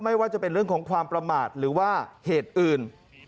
ไม่ว่าจะเป็นเรื่องของความประมาทหรือว่าเหตุอื่น